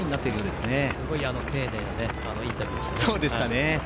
すごい丁寧なインタビューでしたね。